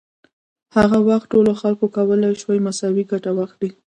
هغه وخت ټولو خلکو کولای شوای مساوي ګټه واخلي.